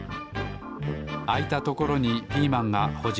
あいたところにピーマンがほじゅうされます。